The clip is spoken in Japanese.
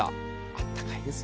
あったかいですよ。